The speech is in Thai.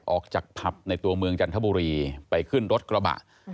ออกจากผับในตัวเมืองจันทบุรีไปขึ้นรถกระบะ